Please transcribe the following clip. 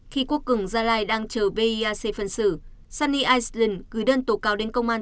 khi quốc cường gia lai đang chờ virc phân xử sunny iceland gửi đơn tổ cáo đến công an